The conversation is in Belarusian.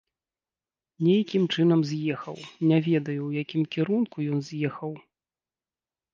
Нейкім чынам з'ехаў, не ведаю, у якім кірунку ён з'ехаў.